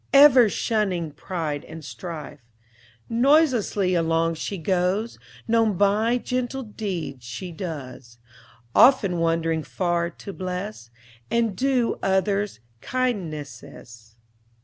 Ever shunning pride and strife, Noiselessly along she goes, Known by gentle deeds she does; Often wandering far, to bless, And do others kindnesses.